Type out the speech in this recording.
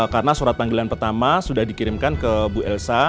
karena surat panggilan pertama sudah dikirimkan ke bu elsa